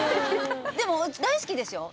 でも大好きですよ！